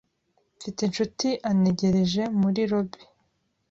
Mfite inshuti antegereje muri lobby.